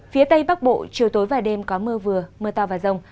phía tây bắc bộ chiều tối và đêm có mưa vừa mưa to và rông